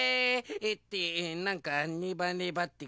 ってなんかネバネバってこれあ！